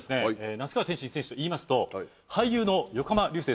那須川天心選手といいますと俳優の横浜流星さん。